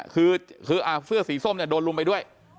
คือเสื้อสีส้มโดนรุมไปด้วย